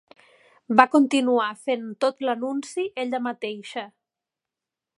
Va continuar fent tot l'anunci ella mateixa.